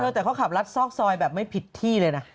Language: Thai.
แต่เขาขับรัดซอกซอยแบบไม่ผิดที่เลยนะ